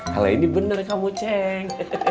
kalo ini bener kamu ceng